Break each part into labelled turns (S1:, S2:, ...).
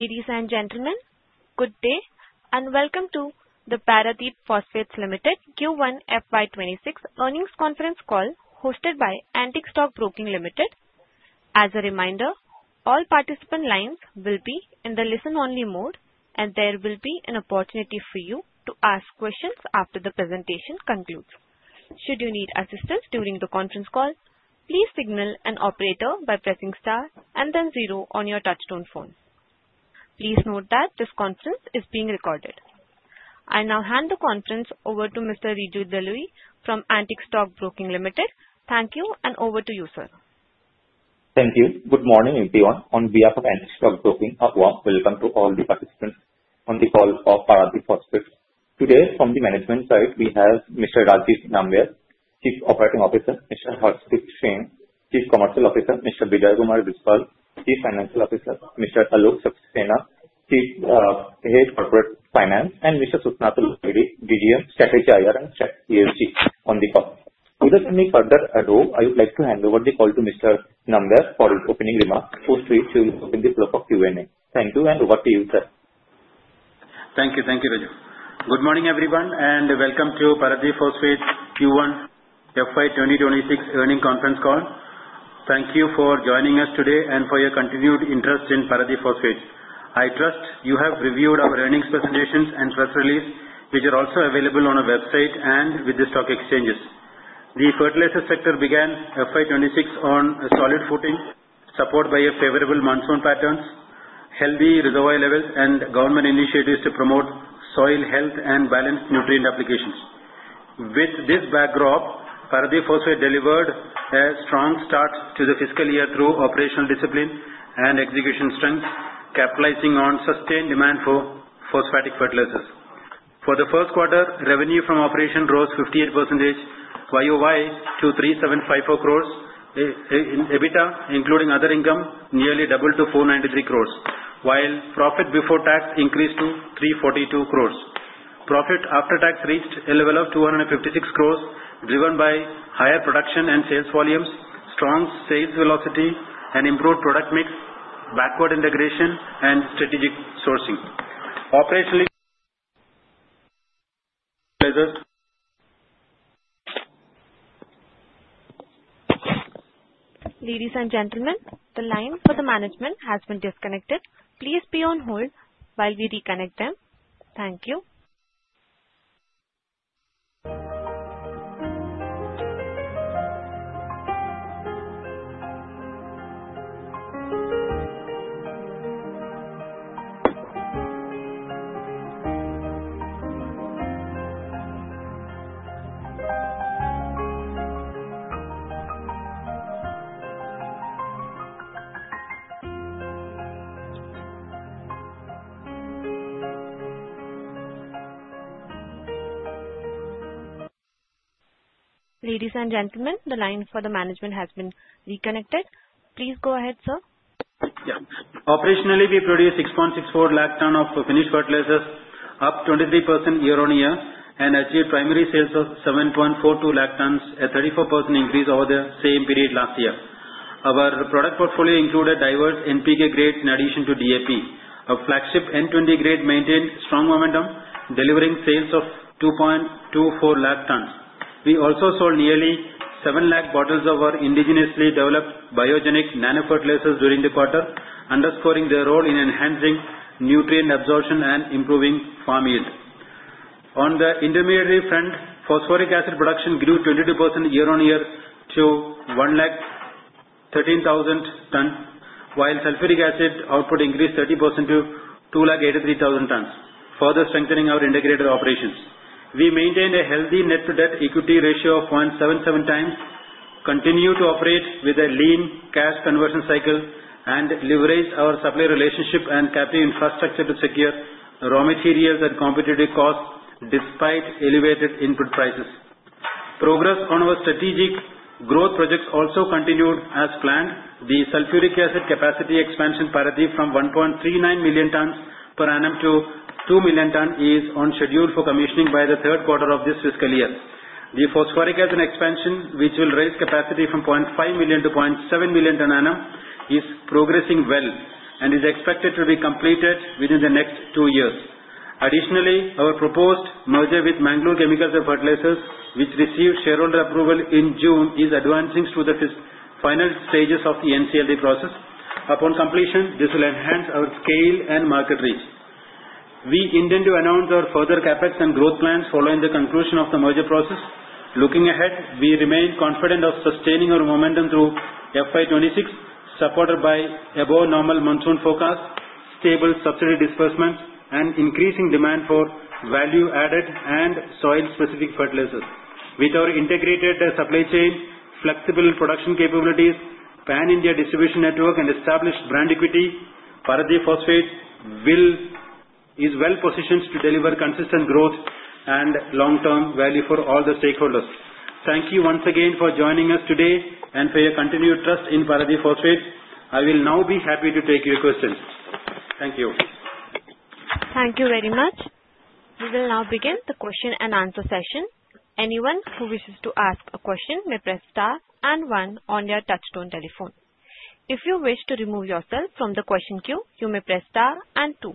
S1: Ladies and gentlemen, good day and welcome to the Paradeep Phosphates Limited Q1 FY26 Earnings Conference Call hosted by Antique Stock Broking Limited. As a reminder, all participant lines will be in the listen-only mode, and there will be an opportunity for you to ask questions after the presentation concludes. Should you need assistance during the conference call, please signal an operator by pressing star and then zero on your touch-tone phone. Please note that this conference is being recorded. I now hand the conference over to Mr. Riju Dalvi from Antique Stock Broking Limited. Thank you, and over to you, sir.
S2: Thank you. Good morning, everyone. On behalf of Antique Stock Broking, a warm welcome to all the participants on the call for Paradeep Phosphates. Today, from the management side, we have Mr. Rajeev Nambiar, Chief Operating Officer, Mr. Harshdeep Singh, Chief Commercial Officer, Mr. Bijoy Kumar Biswal, Chief Financial Officer, Mr. Alok Saxena, Head of Corporate Finance, and Mr. Susnato Lahiri, JGM: Strategy, IR, and ESG on the call. Without any further ado, I would like to hand over the call to Mr. Nambiar for his opening remarks, after which we will open the floor for Q&A. Thank you, and over to you, sir.
S3: Thank you. Thank you, Riju. Good morning, everyone, and welcome to Paradeep Phosphates Q1 FY26 earnings conference call. Thank you for joining us today and for your continued interest in Paradeep Phosphates. I trust you have reviewed our earnings presentations and press releases, which are also available on our website and with the stock exchanges. The fertilizer sector began FY26 on a solid footing, supported by favorable monsoon patterns, healthy reservoir levels, and government initiatives to promote soil health and balanced nutrient applications. With this backdrop, Paradeep Phosphates delivered a strong start to the fiscal year through operational discipline and execution strength, capitalizing on sustained demand for phosphatic fertilizers. For first quarter, revenue from operations rose 58% YoY to INR 3,754 crores. In EBITDA, including other income, nearly doubled to INR 493 crores, while profit before tax increased to INR 342 crores. Profit after tax reached a level of INR 256 crores, driven by higher production and sales volumes, strong sales velocity, and improved product mix, backward integration, and strategic sourcing. Operationally—
S1: Ladies and gentlemen, the line for the management has been disconnected. Please be on hold while we reconnect them. Thank you. Ladies and gentlemen, the line for the management has been reconnected. Please go ahead, sir.
S3: Yeah. Operationally, we produced 6.64 lakh tons of finished fertilizers, up 23% year-on-year, and achieved primary sales of 7.42 lakh tons, a 34% increase over the same period last year. Our product portfolio included diverse NPK grades, in addition to DAP. Our flagship N20 grade maintained strong momentum, delivering sales of 2.24 lakh tons. We also sold nearly 7 lakh bottles of our indigenously developed biogenic nanofertilizers during the quarter, underscoring their role in enhancing nutrient absorption and improving farm yield. On the intermediary front, phosphoric acid production grew 22% year-on-year to 113,000 tons, while sulfuric acid output increased 30% to 283,000 tons, further strengthening our integrated operations. We maintained a healthy net debt-to-equity ratio of 0.77 times, continued to operate with a lean cash conversion cycle, and leveraged our supply relationship and captive infrastructure to secure raw materials at competitive costs despite elevated input prices. Progress on our strategic growth projects also continued as planned. The sulfuric acid capacity expansion from 1.39 million tons per annum to 2 million tons is on schedule for commissioning by the third quarter of this fiscal year. The phosphoric acid expansion, which will raise capacity from 0.5 million-0.7 million tons per annum, is progressing well and is expected to be completed within the next two years. Additionally, our proposed merger with Mangalore Chemicals and Fertilizers, which received shareholder approval in June, is advancing through the final stages of the NCLT process. Upon completion, this will enhance our scale and market reach. We intend to announce our further CapEx and growth plans following the conclusion of the merger process. Looking ahead, we remain confident of sustaining our momentum through FY26, supported by above-normal monsoon forecasts, stable subsidy disbursements, and increasing demand for value-added and soil-specific fertilizers. With our integrated supply chain, flexible production capabilities, pan-India distribution network, and established brand equity, Paradeep Phosphates is well-positioned to deliver consistent growth and long-term value for all the stakeholders. Thank you once again for joining us today and for your continued trust in Paradeep Phosphates. I will now be happy to take your questions. Thank you.
S1: Thank you very much. We will now begin the question-and-answer session. Anyone who wishes to ask a question may press star and one on their touch-tone telephone. If you wish to remove yourself from the question queue, you may press star and two.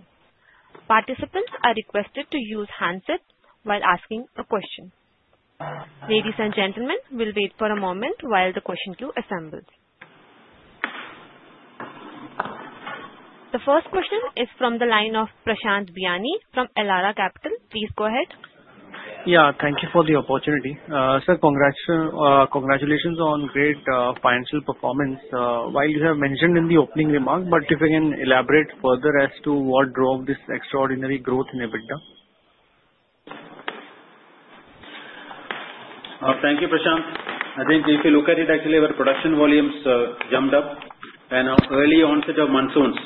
S1: Participants are requested to use handsets while asking a question. Ladies and gentlemen, we'll wait for a moment while the question queue assembles. The first question is from the line of Prashant Biyani from Elara Capital. Please go ahead.
S4: Yeah, thank you for the opportunity. Sir, congratulations on great financial performance. While you have mentioned in the opening remark, but if you can elaborate further as to what drove this extraordinary growth in EBITDA.
S3: Thank you, Prashant. I think if you look at it, actually, our production volumes jumped up and our early onset of monsoons,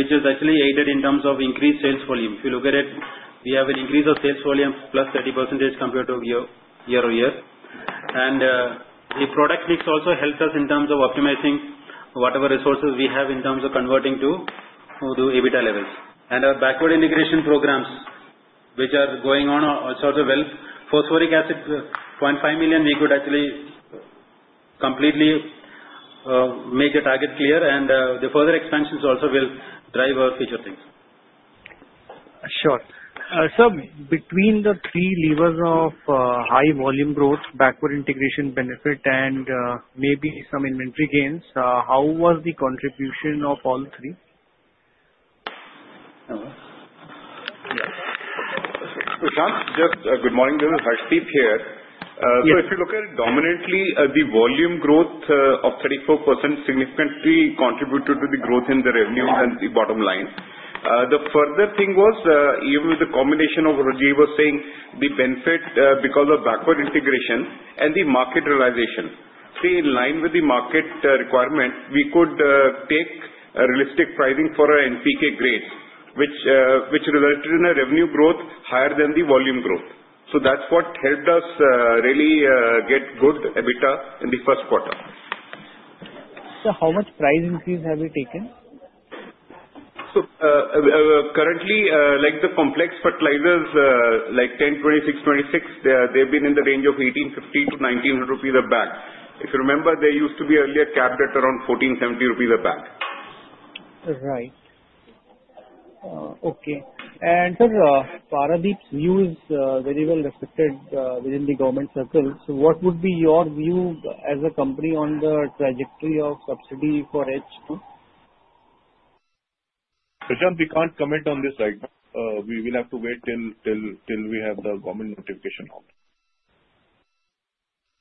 S3: which has actually aided in terms of increased sales volume. If you look at it, we have an increase of sales volume plus 30% compared to year-on-year. The product mix also helped us in terms of optimizing whatever resources we have in terms of converting to EBITDA levels. Our backward integration programs, which are going on so well. Phosphoric acid, 0.5 million, we could actually completely make the target clear, and the further expansions also will drive our future things.
S4: Sure. Sir, between the three levers of high volume growth, backward integration benefit, and maybe some inventory gains, how was the contribution of all three?
S5: Prashant, just good morning. This is Harshdeep here. So if you look at it predominantly, the volume growth of 34% significantly contributed to the growth in the revenues and the bottom line. The further thing was, even with the combination of what Rajeev was saying, the benefit because of backward integration and the market realization stayed in line with the market requirement, we could take realistic pricing for our NPK grades, which resulted in a revenue growth higher than the volume growth. So that's what helped us really get good EBITDA in Q1
S4: Sir, how much price increase have you taken?
S5: Currently, like the complex fertilizers, like 10-26-26, they've been in the range of 1,850-1,900 rupees a bag. If you remember, they used to be earlier capped at around 1,470 rupees a bag.
S4: Right. Okay. And, sir, Paradeep's view is very well respected within the government circle. So what would be your view as a company on the trajectory of subsidy for H2?
S5: Prashant, we can't comment on this right now. We will have to wait till we have the government notification out.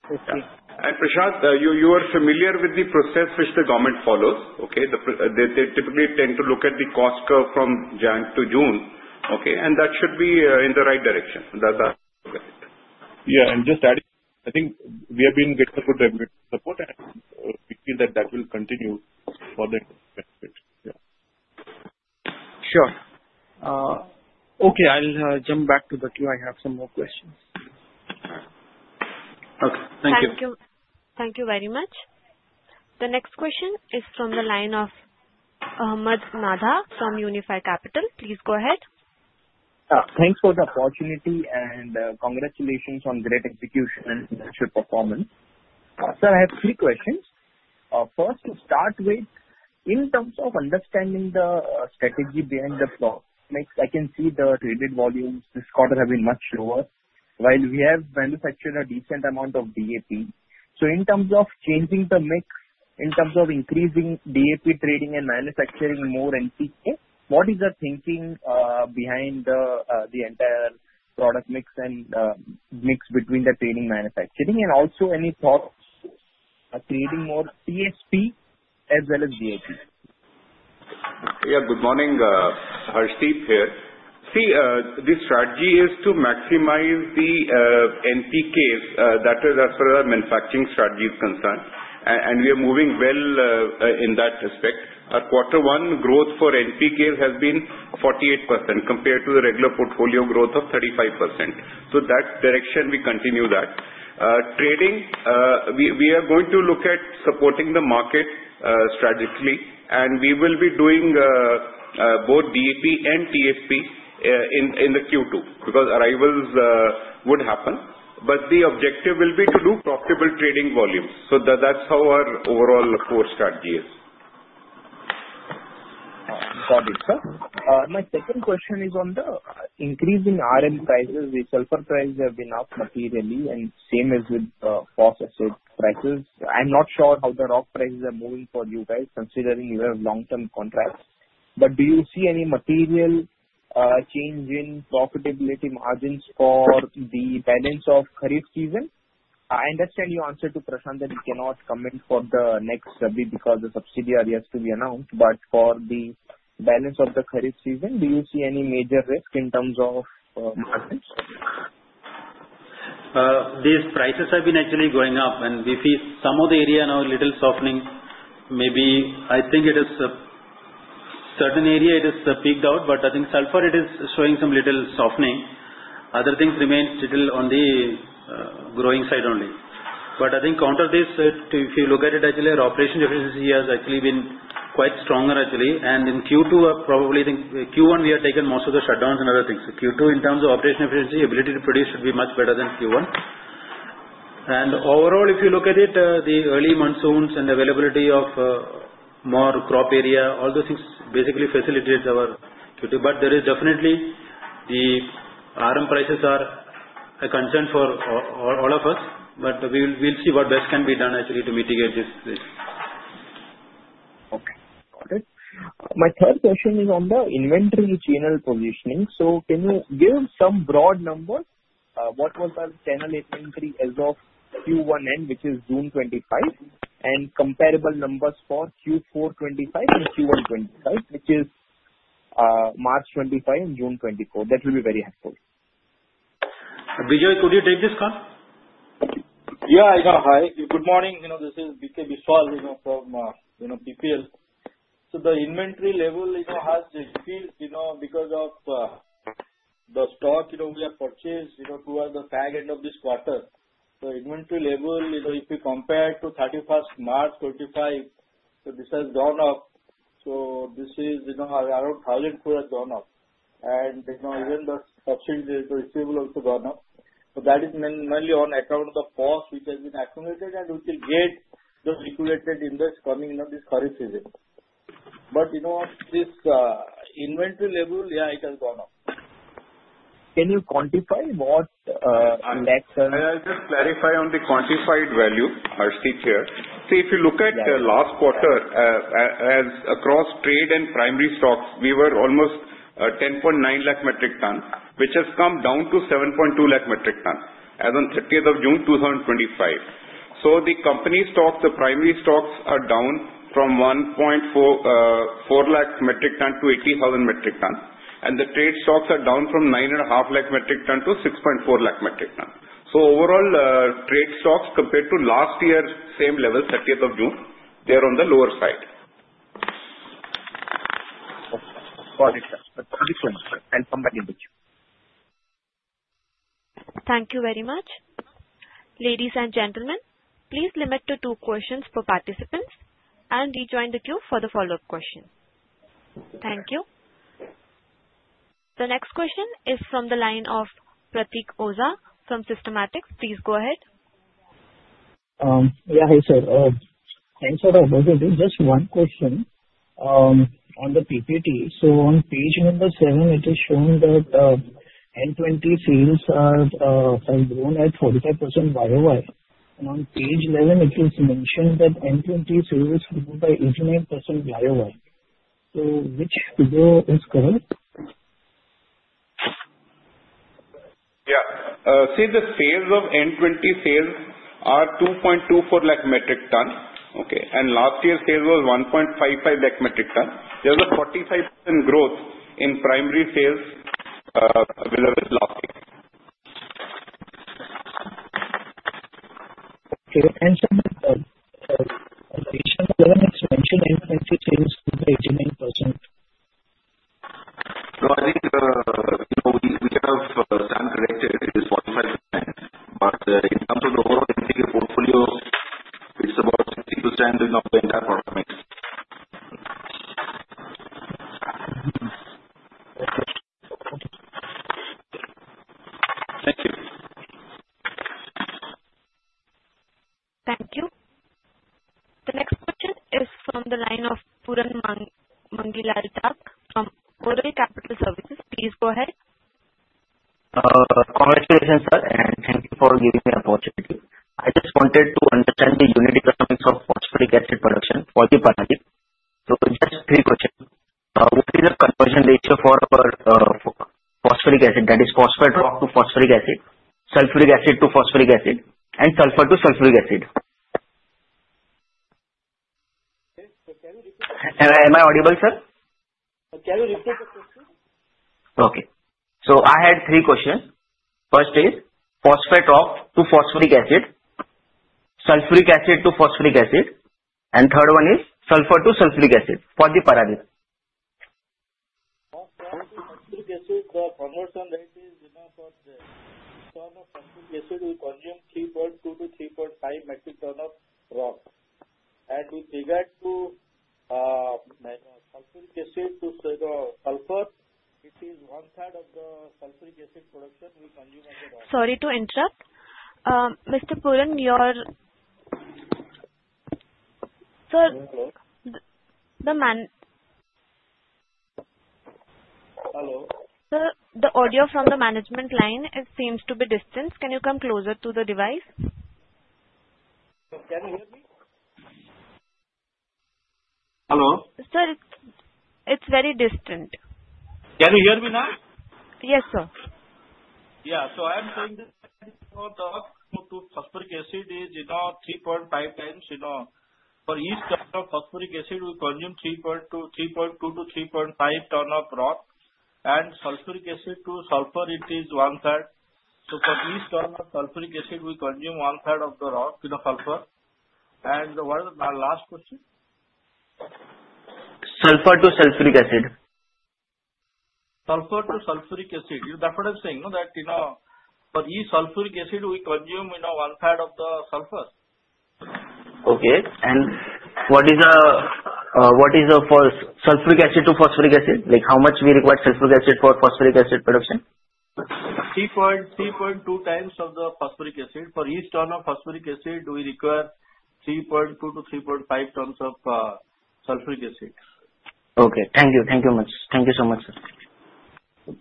S4: Okay.
S5: And Prashant, you are familiar with the process which the government follows, okay? They typically tend to look at the cost curve from January to June, okay? And that should be in the right direction. That's how we look at it.
S3: Yeah. And just adding, I think we have been getting good revenue support, and we feel that that will continue for the benefit.
S4: Sure. Okay. I'll jump back to the queue. I have some more questions. Thank you.
S1: Thank you. Thank you very much. The next question is from the line of Ahmed Madha from Unifi Capital. Please go ahead.
S6: Thanks for the opportunity, and congratulations on great execution and financial performance. Sir, I have three questions. First, to start with, in terms of understanding the strategy behind the floor, I can see the traded volumes this quarter have been much lower, while we have manufactured a decent amount of DAP. So in terms of changing the mix, in terms of increasing DAP trading and manufacturing more NPK, what is the thinking behind the entire product mix and mix between the trading manufacturing, and also any thoughts on trading more TSP as well as DAP?
S5: Yeah. Good morning, Harshdeep here. See, the strategy is to maximize the NPKs, that is, as far as manufacturing strategy is concerned and we are moving well in that respect. Our Q1 growth for NPKs has been 48% compared to the regular portfolio growth of 35%, so that direction we continue that. Trading, we are going to look at supporting the market strategically, and we will be doing both DAP and TSP in the Q2 because arrivals would happen but the objective will be to do profitable trading volumes so that's how our overall core strategy is.
S6: Got it, sir. My second question is on the increasing RM prices. The sulfur prices have been up materially, and same as with phosphatic prices. I'm not sure how the rock prices are moving for you guys, considering you have long-term contracts. But do you see any material change in profitability margins for the balance of Kharif season? I understand you answered to Prashant that you cannot comment for the next subsidy because the subsidy has to be announced, but for the balance of the Kharif season, do you see any major risk in terms of margins?
S3: These prices have been actually going up, and we see some of the area now a little softening. Maybe I think it is a certain area it is picked out, but I think sulfur, it is showing some little softening. Other things remain still on the growing side only. But I think counter this, if you look at it, actually, our operation efficiency has actually been quite stronger, actually. And in Q2, probably Q1, we have taken most of the shutdowns and other things. Q2, in terms of operation efficiency, ability to produce should be much better than Q1. Onverall, if you look at it, the early monsoons and availability of more crop area, all those things basically facilitate our Q2. But there is definitely the RM prices are a concern for all of us, but we'll see what best can be done, actually, to mitigate this.
S6: Okay. Got it. My third question is on the inventory channel positioning. So can you give some broad numbers? What was the channel inventory as of Q1 end, which is June 2025, and comparable numbers for Q4 2025 and Q1 2025, which is March 2025 and June 2024? That will be very helpful.
S3: Bijoy, can you take this one?
S7: Yeah. Hi. Good morning. This is Bijoy Biswal from PPL. So the inventory level has decreased because of the stock we have purchased towards the fag end of this quarter. The inventory level, if we compare to 31st March 2025, so this has gone up. So this is around 1,000 crores gone up. Even the subsidy receivable also has gone up. So that is mainly on account of the POS, which has been accumulated, and we will get the liquidity index coming this Kharif season. But this inventory level, yeah, it has gone up.
S6: Can you quantify what?
S5: I'll just clarify on the quantified value, Harshdeep here. So if you look at the last quarter, across trade and primary stocks, we were almost 10.9 lakh metric tons, which has come down to 7.2 lakh metric tons as of 30th June 2025. So the company stocks, the primary stocks are down from 1.4 lakh metric tons to 80,000 metric tons. The trade stocks are down from 9.5 lakh metric tons to 6.4 lakh metric tons. So overall, trade stocks compared to last year, same level, 30th June, they are on the lower side.
S6: Got it, sir. Thank you very much.
S1: Thank you very much. Ladies and gentlemen, please limit to two questions per participant and rejoin the queue for the follow-up question. Thank you. The next question is from the line of Pratik Oza from Systematix. Please go ahead.
S8: Yeah, hi sir. Thanks for the opportunity. Just one question on the PPT. So on page number 7, it is shown that N20 sales have grown at 45% YoY. And on page 11, it is mentioned that N20 sales grew by 89% YoY. So which figure is correct?
S5: Yeah. See, the sales of N20 are 2.24 lakh metric tons, okay? And last year's sales was 1.55 lakh metric tons. There's a 45% growth in primary sales with last year.
S8: Okay. You mentioned on the initial level, it's mentioned N20 sales grow by 89%.
S5: No, I think we can have Sam corrected it. It is 45%. But in terms of the overall N20 portfolio, it's about 60% of the entire product mix.
S8: Thank you.
S1: Thank you. The next question is from the line of Puran Mangilal Dhak from Aurel Capital Services. Please go ahead.
S9: Congratulations, sir. And thank you for giving me the opportunity. I just wanted to understand the unit economics of phosphoric acid production for the Paradeep. So just three questions. What is the conversion ratio for phosphoric acid? That is phosphate rock to phosphoric acid, sulfuric acid to phosphoric acid, and sulfur to sulfuric acid? Am I audible, sir?
S3: Can youn repeat?
S9: Okay. So I had three questions. First is phosphate rock to phosphoric acid, sulfuric acid to phosphoric acid, and third one is sulfur to sulfuric acid for the Paradeep.
S7: For sulfuric acid, the conversion rate for a ton of sulfuric acid, we consume 3.2-3.5 metric tons of rock. And with regard to sulfuric acid to sulfur, it is one third of the sulfuric acid production we consume as a rock.
S1: Sorry to interrupt. Mr. Puran, your—
S7: Hello.
S1: Sir, the audio from the management line seems to be distant. Can you come closer to the device?
S7: Can you hear me? Hello.
S1: Sir, it's very distant.
S7: Can you hear me now?
S1: Yes, sir.
S7: Yeah. So I am saying for each ton of phosphoric acid, we consume 3.2-3.5 tons of rock. And sulfuric acid to sulfur, it is 1/3. So for each ton of sulfuric acid, we consume 1/3 ton of sulfur. And what was the last question?
S9: Sulfur to sulfuric acid.
S7: Sulfur to sulfuric acid. You're definitely saying that for each sulfuric acid, we consume 1/3 of the sulfur. Okay. And what is the sulfuric acid to phosphoric acid? How much we require sulfuric acid for phosphoric acid production? 3.2 times of the phosphoric acid. For each ton of phosphoric acid, we require 3.2-3.5 tons of sulfuric acid.
S9: Okay. Thank you. Thank you so much. Thank you so much, sir.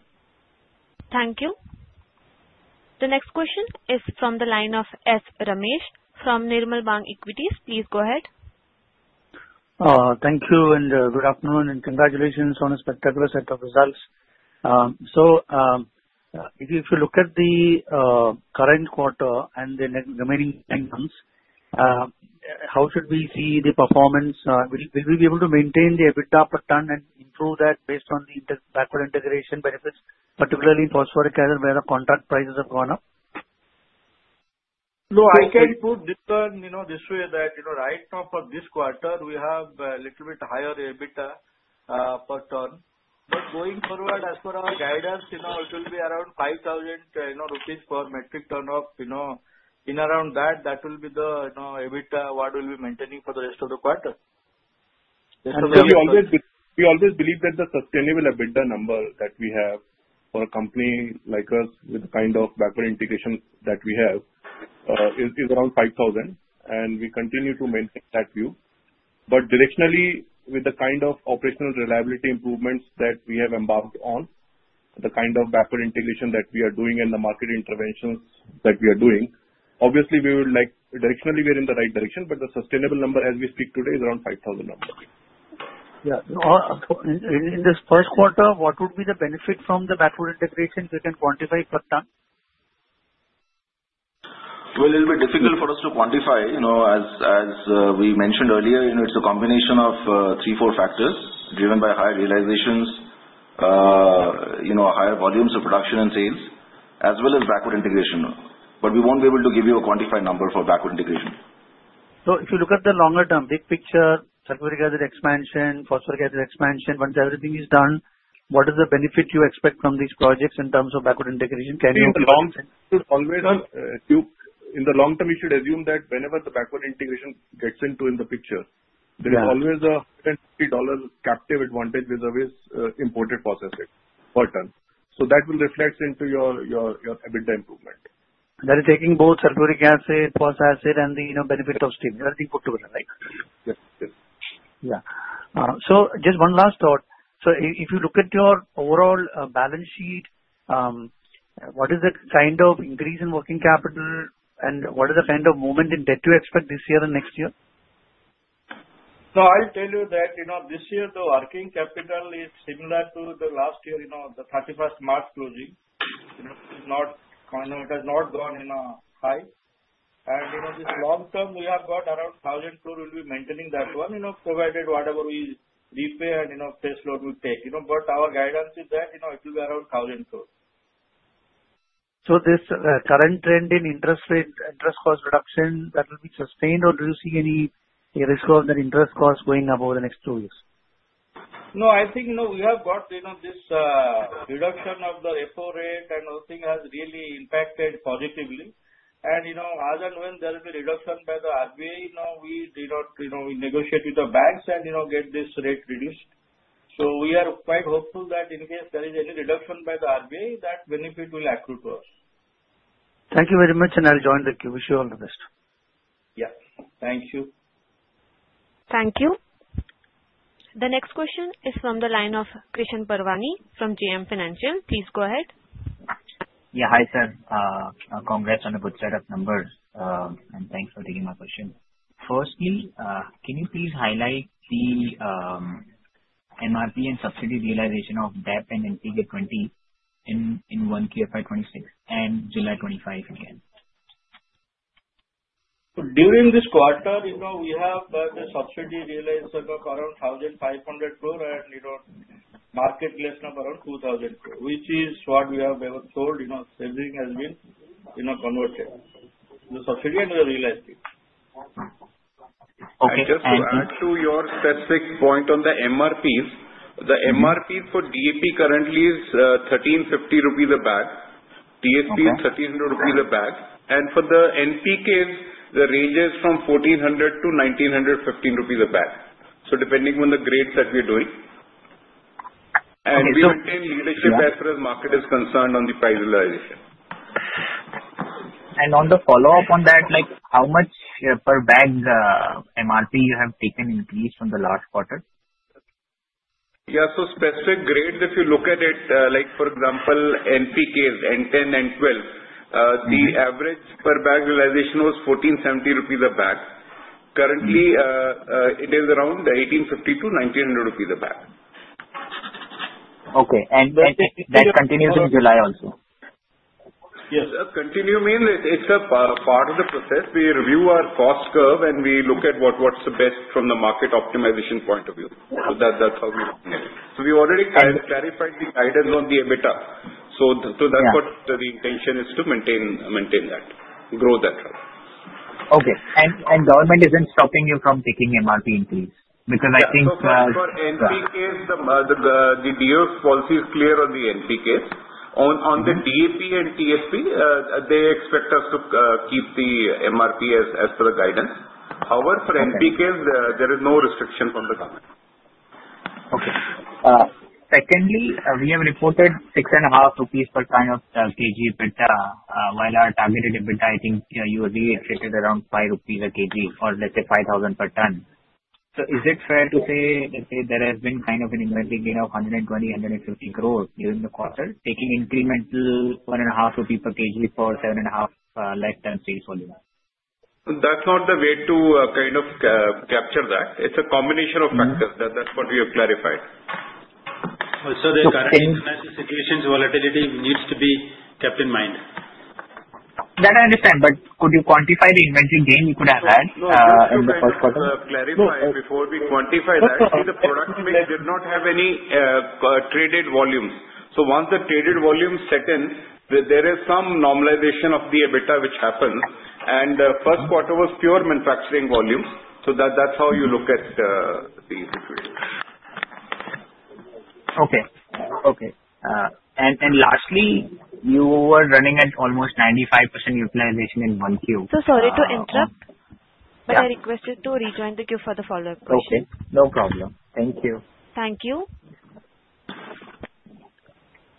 S1: Thank you. The next question is from the line of S. Ramesh from Nirmal Bang Equities. Please go ahead.
S10: Thank you and good afternoon and congratulations on a spectacular set of results. So if you look at the current quarter and the remaining months, how should we see the performance? Will we be able to maintain the EBITDA per ton and improve that based on the backward integration benefits, particularly in phosphoric acid where the contract prices have gone up?
S7: No, I can put this term this way that right now for this quarter, we have a little bit higher EBITDA per ton. But going forward, as per our guidance, it will be around 5,000 rupees per metric ton of in around that. That will be the EBITDA what we'll be maintaining for the rest of the quarter.
S5: We always believe that the sustainable EBITDA number that we have for a company like us with the kind of backward integration that we have is around 5,000. And we continue to maintain that view. But directionally, with the kind of operational reliability improvements that we have embarked on, the kind of backward integration that we are doing and the market interventions that we are doing, obviously, we would like— Directionally, we are in the right direction. But the sustainable number, as we speak today, is around 5,000.
S10: Yeah. In Q1, what would be the benefit from the backward integration if we can quantify per ton?
S5: It'll be difficult for us to quantify. As we mentioned earlier, it's a combination of three, four factors driven by higher realizations, higher volumes of production and sales, as well as backward integration. But we won't be able to give you a quantified number for backward integration. If you look at the longer term, big picture, sulfuric acid expansion, phosphoric acid expansion, once everything is done, what is the benefit you expect from these projects in terms of backward integration? Can you— In the long term, in the long term, you should assume that whenever the backward integration gets into the picture, there is always a $150 captive advantage with always imported phosphatic per ton. So that will reflect into your EBITDA improvement.
S10: That is taking both sulfuric acid, phosphoric acid, and the benefit of steam. Everything put together, right?
S5: Yeah.
S10: So just one last thought. So if you look at your overall balance sheet, what is the kind of increase in working capital, and what is the kind of movement in debt you expect this year and next year?
S7: I'll tell you that this year, the working capital is similar to the last year, the 31st March closing. It has not gone high. And this long term, we have got around 1,000 crore, we'll be maintaining that one, provided whatever we repay and new loan we take. But our guidance is that it will be around 1,000 crore.
S10: So this current trend in interest rate interest cost reduction, that will be sustained or reducing any risk of that interest cost going above the next two years?
S7: No, I think we have got this reduction of the repo rate and all things has really impacted positively. And as and when there will be reduction by the RBI, we will negotiate with the banks and get this rate reduced. So we are quite hopeful that in case there is any reduction by the RBI, that benefit will accrue to us.
S10: Thank you very much, and I'll join the queue. Wish you all the best.
S7: Yeah. Thank you.
S1: Thank you. The next question is from the line of Krishan Parwani from JM Financial. Please go ahead.
S11: Yeah. Hi, sir. Congrats on a good set of numbers. And thanks for taking my question. Firstly, can you please highlight the MRP and subsidy realization of DAP and N20 in Q1 FY26 and July 2025 again?
S7: During this quarter, we have the subsidy realized of around 1,500 crore and market sales of around 2,000 crore, which is what we have always told. Everything has been converted, the subsidy and the realized sales.
S11: Okay.
S5: Just to add to your specific point on the MRPs, the MRP for DAP currently is 1,350 rupees a bag. TSP is 1,300 rupees a bag. And for the NPKs, the range is from 1,400-1,915 rupees a bag. So depending on the grades that we're doing. We maintain leadership as far as market is concerned on the price realization.
S11: And on the follow-up on that, how much per bag MRP you have taken increased from the last quarter?
S5: Yeah. So specific grade, if you look at it, for example, NPKs, N10, N12, the average per bag realization was INR 1,470 a bag. Currently, it is around INR 1,850-INR 1,900 a bag.
S11: Okay. And that continues in July also?
S5: Yes. Continue means it's a part of the process. We review our cost curve and we look at what's the best from the market optimization point of view. So that's how we manage. So we already clarified the guidance on the EBITDA. So that's what the intention is to maintain that, grow that.
S11: Okay. And government isn't stopping you from taking MRP increase? Because I think—
S5: For NPKs, the DoF policy is clear on the NPKs. On the DAP and TSP, they expect us to keep the MRP as per the guidance. However, for NPKs, there is no restriction from the government.
S11: Okay. Secondly, we have reported 6.5 rupees per ton of KG EBITDA while our targeted EBITDA, I think you already stated around 5 rupees a KG or let's say 5,000 per ton. So is it fair to say that there has been kind of an inverting gain of 120-150 crore during the quarter, taking incremental 1.5 rupee per KG for 7.5 less than sales volume?
S5: That's not the way to kind of capture that. It's a combination of factors. That's what we have clarified.
S3: So the current financial situation's volatility needs to be kept in mind.
S11: That I understand. But could you quantify the inventory gain we could have had in Q1?
S5: No, I'm just clarifying before we quantify that. See, the product mix did not have any traded volumes. So once the traded volumes set in, there is some normalization of the EBITDA which happens. And Q1 was pure manufacturing volumes. So that's how you look at the delivery today.
S11: Okay, and lastly, you were running at almost 95% utilization in Q1
S1: So sorry to interrupt, but I request you to rejoin the queue for the follow-up question.
S11: Okay. No problem. Thank you.
S1: Thank you.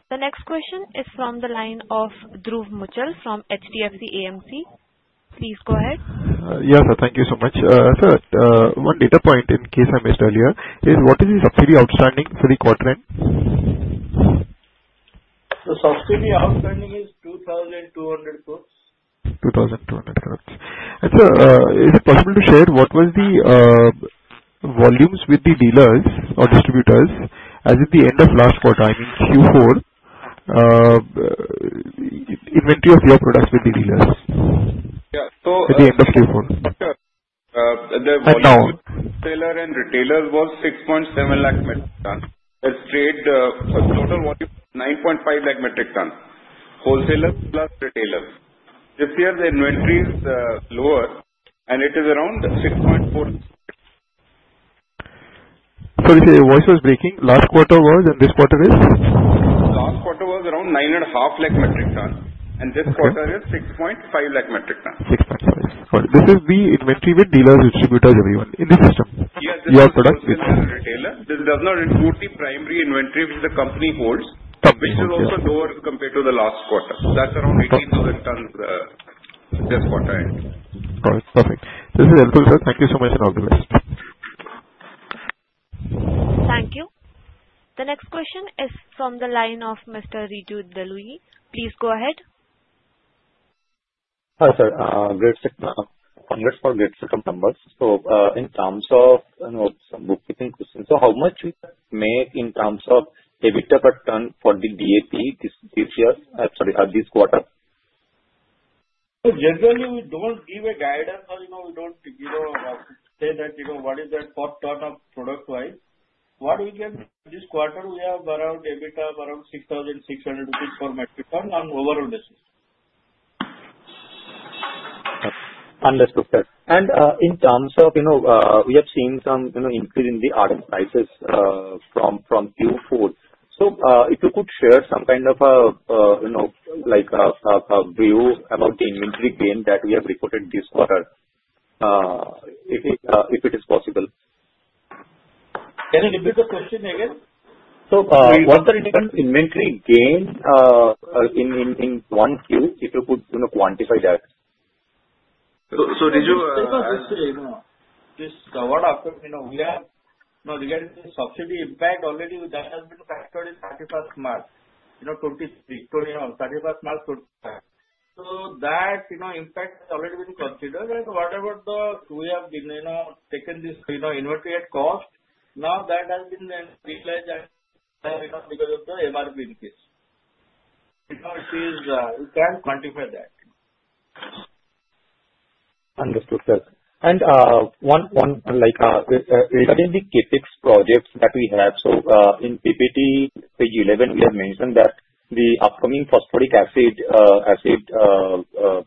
S1: The next question is from the line of Dhruv Muchhal from HDFC AMC. Please go ahead.
S12: Yes, sir. Thank you so much. Sir, one data point in case I missed earlier is what is the subsidy outstanding for the quarter end?
S7: The subsidy outstanding is 2,200 crores.
S12: 2,200 crores. And sir, is it possible to share what was the volumes with the dealers or distributors as of the end of last quarter, I mean Q4, inventory of your products with the dealers at the end of Q4?
S5: volume sold to wholesalers and retailers was 6.7 lakh metric tons. That's straight total volume 9.5 lakh metric tons. Wholesalers plus retailers. This year, the inventory is lower, and it is around 6.4 lakh metric tons.
S12: Sorry, sir, your voice was breaking. Last quarter was and this quarter is?
S3: Last quarter was around 9.5 lakh metric tons. And this quarter is 6.5 lakh metric tons.
S12: 6.5 lakh metric tons. This is the inventory with dealers, distributors, everyone in the system you have product with?
S3: This does not include the primary inventory which the company holds, which is also lower compared to the last quarter, so that's around 18,000 tons this quarter end.
S12: All right. Perfect. This is helpful, sir. Thank you so much and all the best.
S1: Thank you. The next question is from the line of Mr. Riju Dalvi. Please go ahead.
S2: Hi, sir. Congrats on a great set of numbers. So in terms of some bookkeeping questions, so how much we make in terms of EBITDA per ton for the DAP this year? Sorry, this quarter.
S7: So generally, we don't give a guidance or we don't say that what is that per ton of product-wise. What we get this quarter, we have around EBITDA of around 6,600 rupees per metric ton on overall basis.
S2: Understood, sir, and in terms of we have seen some increase in the RM prices from Q4, so if you could share some kind of a view about the inventory gain that we have reported this quarter, if it is possible.
S3: Can you repeat the question again?
S2: So what's the inventory gain in Q1 if you could quantify that?
S7: So, Riju, we have regarding the subsidy impact, already that has been factored in 31st March 2023, sorry, 31st March 2023. So that impact has already been considered. And what about the we have been taken this inventory at cost? Now that has been realized because of the MRP increase. We can quantify that.
S13: Understood, sir. And regarding the CapEx projects that we have, so in PPT page 11, we have mentioned that the upcoming phosphoric acid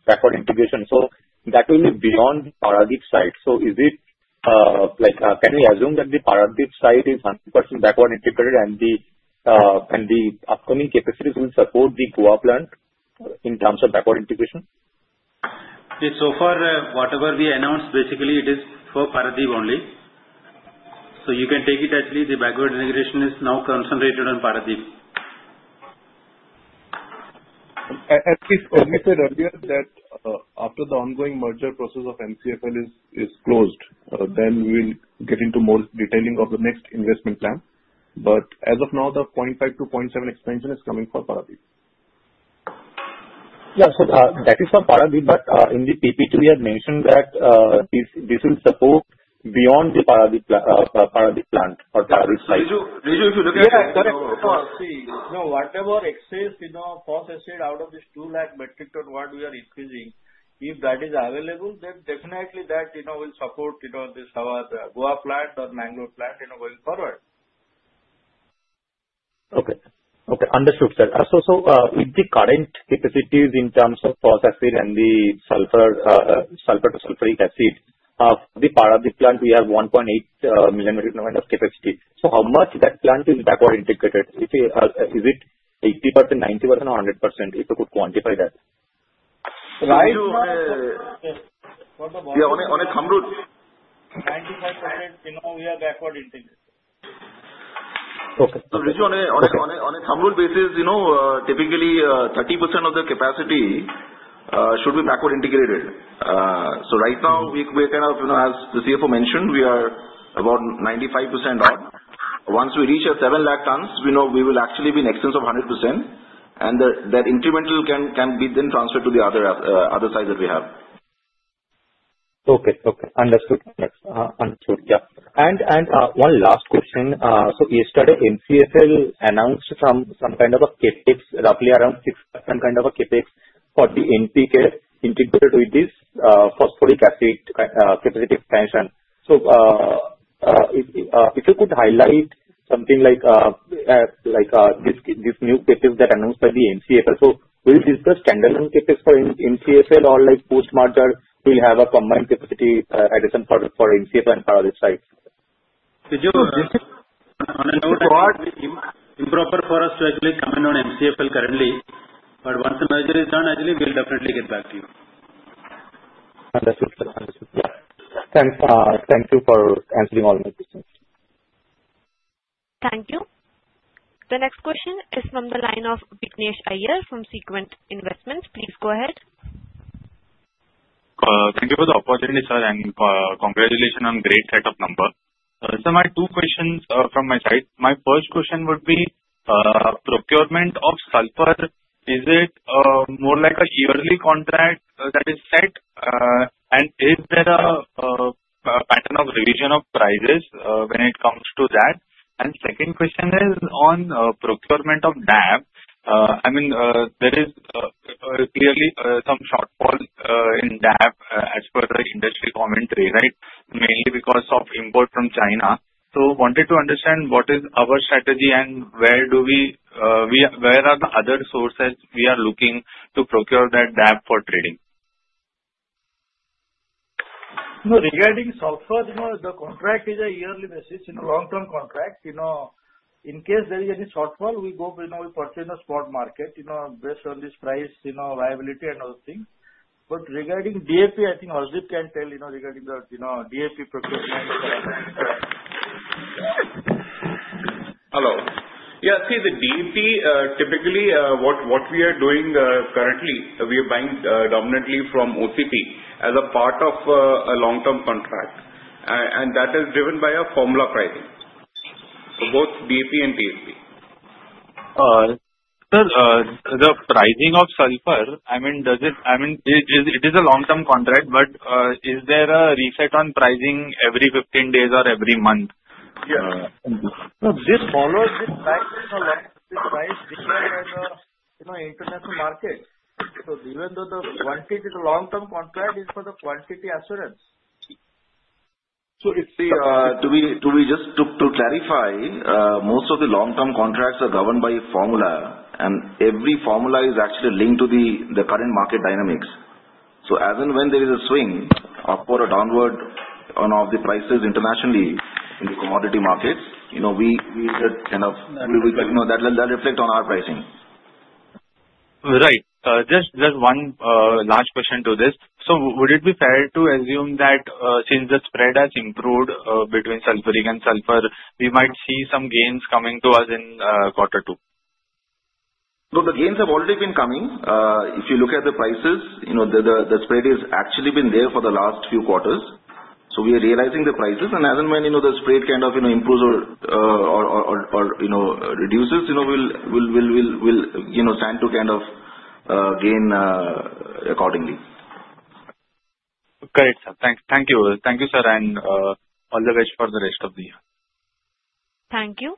S13: backward integration, so that will be beyond the Paradip site. So can we assume that the Paradip site is 100% backward integrated and the upcoming capacities will support the Goa plant in terms of backward integration?
S3: So far, whatever we announced, basically, it is for Paradip only. So you can take it as the backward integration is now concentrated on Paradip.
S5: As we said earlier, that after the ongoing merger process of MCFL is closed, then we will get into more detailing of the next investment plan. But as of now, the 0.5-0.7 expansion is coming for Paradip.
S13: Yeah. So that is for Paradip. But in the PPT, we have mentioned that this will support beyond the Paradip plant or Paradip site.
S3: Riju, if you look at—
S7: Correct. See, whatever excess phosphatic out of this 2 lakh metric ton what we are increasing, if that is available, then definitely that will support this our Goa plant or Mangalore plant going forward.
S13: Okay. Okay. Understood, sir. So with the current capacities in terms of phosphatic and the sulfur to sulfuric acid, for the Paradip plant, we have 1.8 million metric ton of capacity. So how much that plant is backward integrated? Is it 80%, 90%, or 100% if you could quantify that?
S3: Right.
S5: Yeah. On a thumb rule.
S3: 95% we are backward integrated.
S13: Okay.
S5: on a rule of thumb basis, typically, 30% of the capacity should be backward integrated. Right now, we are kind of, as the CFO mentioned, we are about 95% on. Once we reach 7 lakh tons, we will actually be in excess of 100%. And that incremental can be then transferred to the other site that we have.
S13: Okay. Okay. Understood. Understood. Yeah. And one last question. So yesterday, MCFL announced some kind of a CapEx, roughly around 6% kind of a CapEx for the NPK integrated with this phosphoric acid capacity expansion. So if you could highlight something like this new CapEx that announced by the MCFL. So will this be a standalone CapEx for MCFL or post-merger we'll have a combined capacity addition for MCFL and Paradip site?
S3: Riju, this is on a note that it's improper for us to actually comment on MCFL currently. But once the merger is done, actually, we'll definitely get back to you.
S13: Understood, sir. Understood. Yeah. Thank you for answering all my questions.
S1: Thank you. The next question is from the line of Vignesh Iyer from Sequent Investments. Please go ahead.
S14: Thank you for the opportunity, sir, and congratulations on great set of numbers. So two questions from my side. My first question would be procurement of sulfur, is it more like a yearly contract that is set? And is there a pattern of revision of prices when it comes to that? And second question is on procurement of DAP. I mean, there is clearly some shortfall in DAP as per the industry commentary, right? Mainly because of import from China, so wanted to understand what is our strategy and where are the other sources we are looking to procure that DAP for trading?
S3: Regarding sulfur, the contract is a yearly basis, long-term contract. In case there is any shortfall, we go and we purchase the spot market based on this price, viability, and other things. But regarding DAP, I think Harshdeep can tell regarding the DAP procurement.
S5: Yeah. See, the DAP, typically, what we are doing currently, we are buying dominantly from OCP as a part of a long-term contract. And that is driven by a formula pricing for both DAP and TSP.
S14: Sir, the pricing of sulfur, I mean, it is a long-term contract, but is there a reset on pricing every 15 days or every month?
S7: Yes. So this follows, this price is a long-term price declared as an international market. So even though the quantity is a long-term contract, it is for the quantity assurance.
S3: So just to clarify, most of the long-term contracts are governed by a formula. And every formula is actually linked to the current market dynamics. So as and when there is a swing upward or downward on the prices internationally in the commodity markets, we kind of, that will reflect on our pricing.
S14: Right. Just one last question to this. So would it be fair to assume that since the spread has improved between sulfuric and sulfur, we might see some gains coming to us in Q2?
S5: No, the gains have already been coming. If you look at the prices, the spread has actually been there for the last few quarters. So we are realizing the prices. And as and when the spread kind of improves or reduces, we will stand to kind of gain accordingly.
S14: Great, sir. Thank you. Thank you, sir, and all the best for the rest of the year.
S1: Thank you.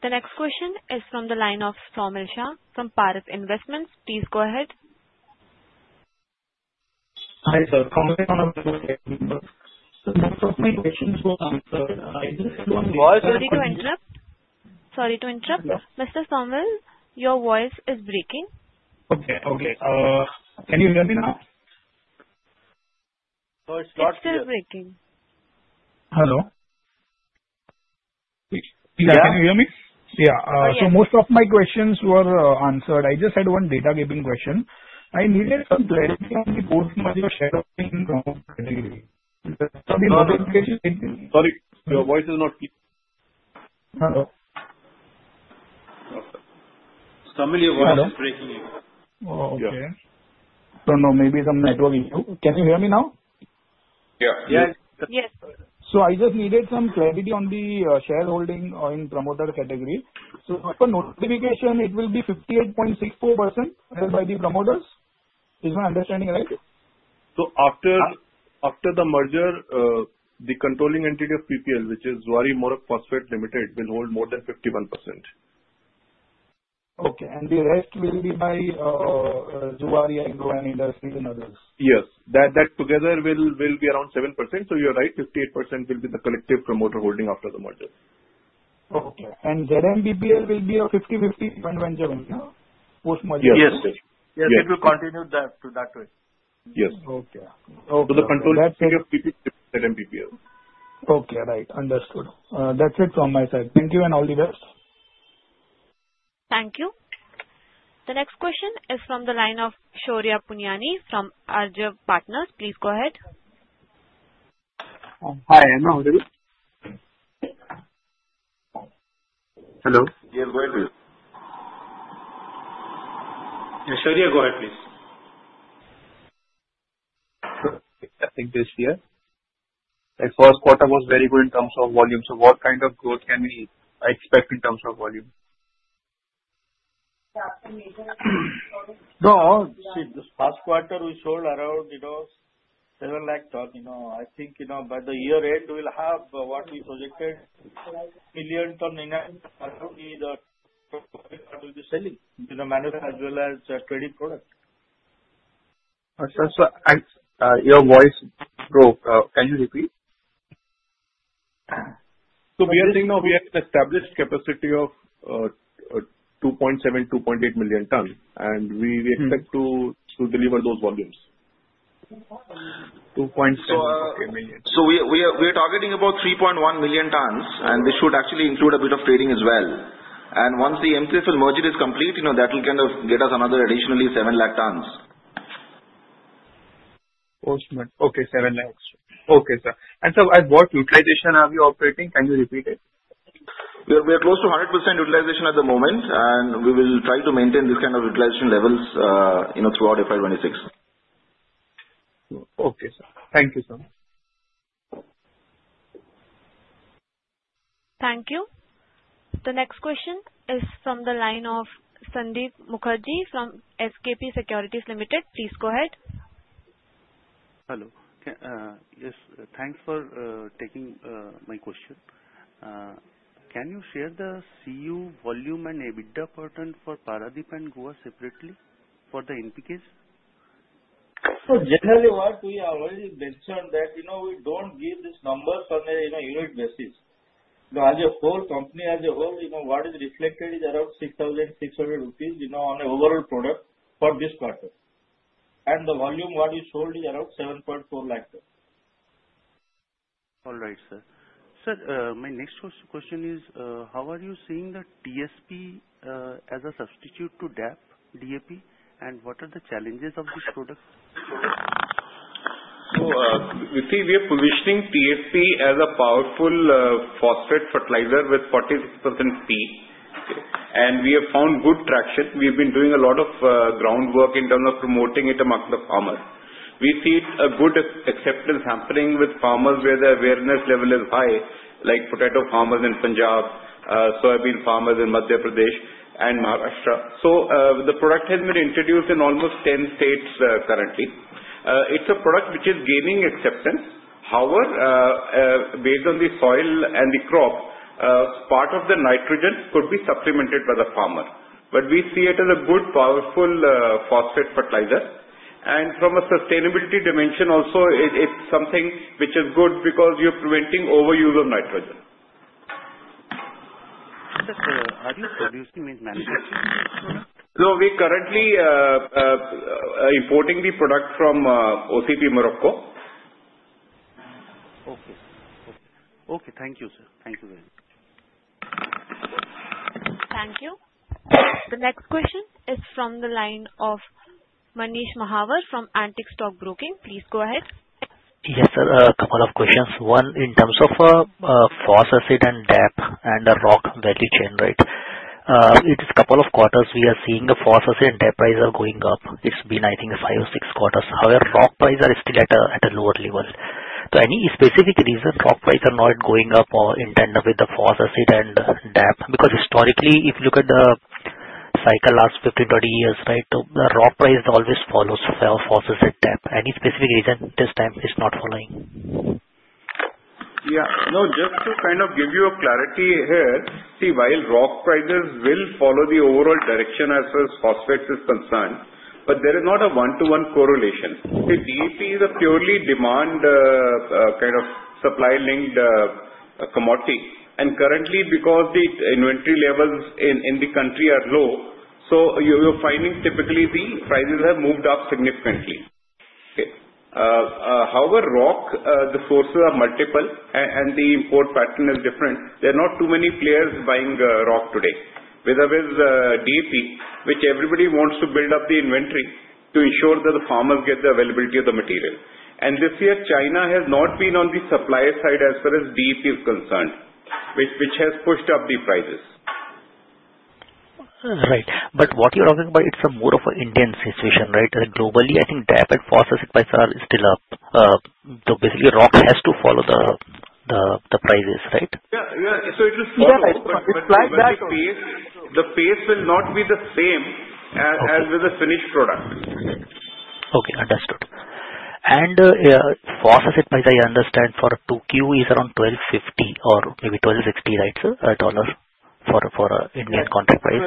S1: The next question is from the line of Somil Shah from Paras Investments. Please go ahead.
S15: Hi, sir. Most of my questions were answered. Is there anyone—
S1: Sorry to interrupt. Mr. Somil, your voice is breaking.
S15: Okay. Okay. Can you hear me now?
S1: It's still breaking.
S15: Hello? Can you hear me?
S1: Yes.
S15: Yeah. So, most of my questions were answered. I just had one data grabbing question. I needed some clarity on the both major shareholding category.
S5: Sorry. Your voice is not clear.
S15: Hello?
S5: Somil, your voice is breaking again.
S15: Oh, okay. So no, maybe some network issue. Can you hear me now?
S5: Yeah.
S15: Yeah.
S1: Yes, sir.
S15: So I just needed some clarity on the shareholding in promoter category. So for notification, it will be 58.64% held by the promoters. Is my understanding right?
S5: So after the merger, the controlling entity of PPL, which is Zuari Maroc Phosphates Limited, will hold more than 51%.
S15: Okay, and the rest will be by Zuari Agro Chemicals and others?
S5: Yes. That together will be around 7%. So you're right. 58% will be the collective promoter holding after the merger.
S15: Okay, and ZMPPL will be 50-50, post-merger.
S5: Yes
S15: It will continue that way.
S5: Yes.
S15: Okay. Okay.
S5: So the control will be ZMPPL.
S15: Okay. Right. Understood. That's it from my side. Thank you and all the best.
S1: Thank you. The next question is from the line of Shaurya Punyani from Arjav Partners. Please go ahead.
S16: Hi. Am I audible? Hello.
S7: Yeah. Go ahead.
S3: Shaurya, go ahead, please.
S16: I think this year, the Q1 was very good in terms of volume. So what kind of growth can we expect in terms of volume?
S3: No. See, this past quarter, we sold around 7 lakh tons. I think by the year end, we'll have what we projected, million tons in. That will be the product that we'll be selling in manufacturing as well as trading product.
S16: So your voice broke. Can you repeat?
S5: So we are saying we have established capacity of 2.7-2.8 million tons. And we expect to deliver those volumes.
S16: 2.7-2.8 million.
S3: So we are targeting about 3.1 million tons. And this should actually include a bit of trading as well. And once the MCFL merger is complete, that will kind of get us another additionally 7 lakh tons.
S16: Post-merge. Okay. 7 lakhs. Okay, sir. And sir, at what utilization are we operating? Can you repeat it?
S3: We are close to 100% utilization at the moment, and we will try to maintain this kind of utilization levels throughout FY26.
S16: Okay, sir. Thank you, sir.
S1: Thank you. The next question is from the line of Sandeep Mukherjee from SKP Securities Limited. Please go ahead.
S17: Hello. Yes. Thanks for taking my question. Can you share the CU volume and EBITDA pattern for Paradip and Goa separately for the NPKs?
S7: So, generally, what we have already mentioned that we don't give these numbers on a unit basis. So, as a whole, company as a whole, what is reflected is around 6,600 rupees on the overall product for this quarter. And the volume what we sold is around 7.4 lakh ton.
S17: All right, sir. Sir, my next question is, how are you seeing the TSP as a substitute to DAP? And what are the challenges of this product?
S5: Ritu, we are positioning TSP as a powerful phosphate fertilizer with 46% P. We have found good traction. We have been doing a lot of groundwork in terms of promoting it among the farmers. We see a good acceptance happening with farmers where the awareness level is high, like potato farmers in Punjab, soybean farmers in Madhya Pradesh, and Maharashtra. The product has been introduced in almost 10 states currently. It's a product which is gaining acceptance. However, based on the soil and the crop, part of the nitrogen could be supplemented by the farmer. We see it as a good, powerful phosphate fertilizer. From a sustainability dimension, also, it's something which is good because you're preventing overuse of nitrogen.
S17: Sir, are you producing this manufacturing product?
S5: No, we're currently importing the product from OCP Morocco.
S17: Okay. Okay. Thank you, sir. Thank you very much.
S1: Thank you. The next question is from the line of Manish Mahawar from Antique Stock Broking. Please go ahead.
S18: Yes, sir. A couple of questions. One, in terms of phosphatic and DAP and the rock value chain, right? It is a couple of quarters we are seeing the phosphatic and DAP prices are going up. It's been, I think, five or six quarters. However, rock prices are still at a lower level. So any specific reason rock prices are not going up in tandem with the phosphatic and DAP? Because historically, if you look at the cycle last 15-20 years, right, the rock price always follows phosphatic and DAP. Any specific reason this time it's not following?
S5: Yeah. No, just to kind of give you a clarity here, see, while rock prices will follow the overall direction as far as phosphates is concerned, but there is not a one-to-one correlation. See, DAP is a purely demand kind of supply-linked commodity. And currently, because the inventory levels in the country are low, so you're finding typically the prices have moved up significantly. However, rock, the sources are multiple, and the import pattern is different. There are not too many players buying rock today. With DAP, which everybody wants to build up the inventory to ensure that the farmers get the availability of the material. And this year, China has not been on the supplier side as far as DAP is concerned, which has pushed up the prices.
S18: Right. But what you're talking about, it's more of an Indian situation, right? Globally, I think DAP and phosphatic prices are still up. So basically, rock has to follow the prices, right?
S5: Yeah, so it will—
S3: Yeah. It's like that only.
S5: The pace will not be the same as with the finished product.
S18: Okay. Understood. And phosphatic price, I understand, for Q2 is around $1250 or maybe $1260, right, sir, dollars for an Indian contract price?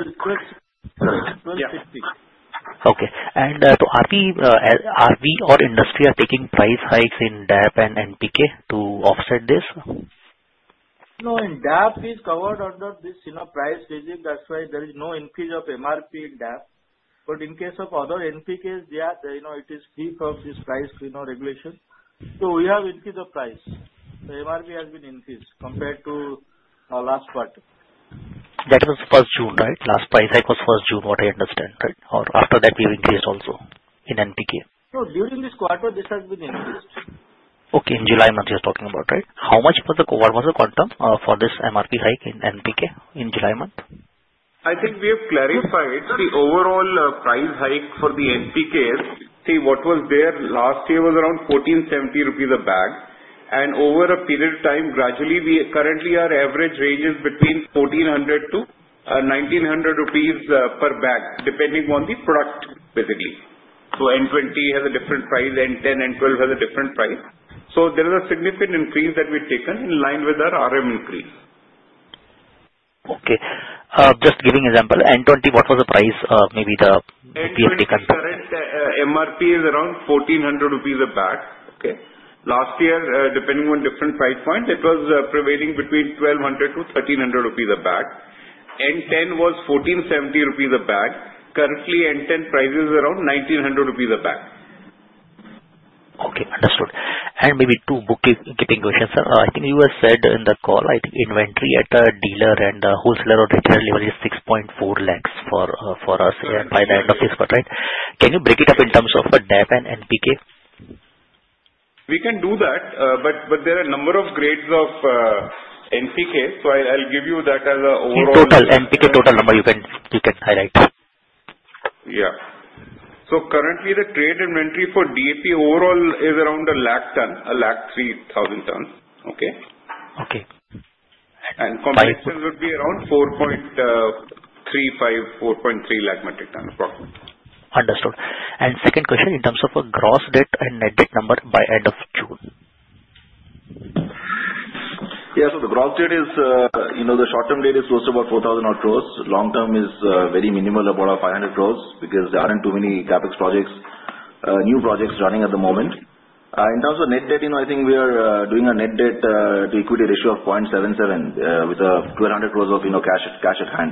S3: 1260.
S18: Okay. And so are we or the industry taking price hikes in DAP and NPK to offset this?
S7: No. And DAP is covered under this price regime. That's why there is no increase of MRP in DAP. But in case of other NPKs, it is free from this price regulation. So we have increased the price. The MRP has been increased compared to last quarter.
S18: That was 1st June, right? Last price hike was 1st June, what I understand, right? Or after that, we have increased also in NPK?
S7: No. During this quarter, this has been increased.
S18: Okay. In July month, you're talking about, right? How much was the quantum for this MRP hike in NPK in July month?
S5: I think we have clarified the overall price hike for the NPKs. See, what was there last year was around 1,470 rupees a bag, and over a period of time, gradually, we currently are average ranges between 1,400-1,900 rupees per bag, depending on the product, basically. So N20 has a different price, N10, N12 has a different price, so there is a significant increase that we've taken in line with our RM increase.
S18: Okay. Just giving an example, N20, what was the price maybe that we have taken?
S5: Current MRP is around 1,400 rupees a bag. Okay? Last year, depending on different price points, it was prevailing between 1,200-1,300 rupees a bag. N10 was 1,470 rupees a bag. Currently, N10 price is around 1,900 rupees a bag.
S18: Okay. Understood. And maybe two bookkeeping questions, sir. I think you have said in the call, I think inventory at a dealer and wholesaler or retailer level is 6.4 lakhs for us by the end of this quarter, right? Can you break it up in terms of DAP and NPK?
S5: We can do that, but there are a number of grades of NPK, so I'll give you that as an overall.
S18: The total NPK total number you can highlight.
S5: Yeah. So currently, the trade inventory for DAP overall is around a lakh ton, a lakh 3,000 ton. Okay?
S18: Okay.
S5: Combined sales would be around 4.35, 4.3 lakh metric tons, approximately.
S18: Understood. And second question, in terms of gross debt and net debt number by end of June.
S5: Yeah. So the gross debt is the short-term debt is close to about 4,000 crores. Long-term is very minimal, about 500 crores, because there aren't too many CapEx projects, new projects running at the moment. In terms of net debt, I think we are doing a net debt-to-equity ratio of 0.77 with 1,200 crores of cash at hand.